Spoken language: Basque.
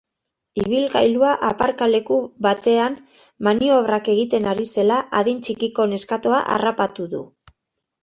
Ibilgailua aparkaleku batean maniobrak egiten ari zela adin txikiko neskatoa harrapatu du.